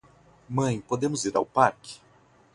Mãe podemos ir ao parque?